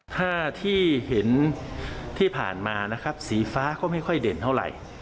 ถ้าที่ที่ผ่านมาสีฟ้าก็ไม่ค่อยเด่นเท่าไร